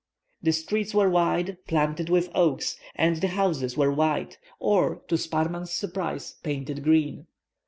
The streets were wide, planted with oaks, and the houses were white, or, to Sparrman's surprise, painted green.